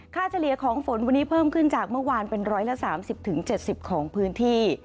เฉลี่ยของฝนวันนี้เพิ่มขึ้นจากเมื่อวานเป็น๑๓๐๗๐ของพื้นที่